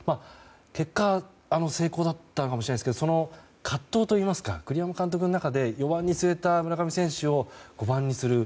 結果成功だったかもしれないですけどその葛藤といいますか栗山監督の中で４番に据えた村上選手を５番にする。